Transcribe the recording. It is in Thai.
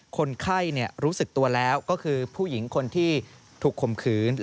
คนไข้รู้สึกตัวแล้วก็คือผู้หญิงคนที่ถูกข่มขืน